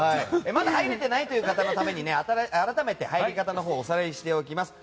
まだ入れていないという方に改めて入り方をおさらいしておきます。